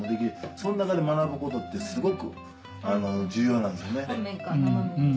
その中で学ぶことってすごく重要なんですね。